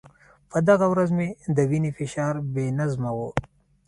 په دغه ورځ مې د وینې فشار بې نظمه و.